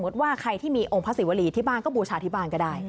ว่าใครที่มีองค์พระศิวรีที่บ้านก็บูชาที่บ้านก็ได้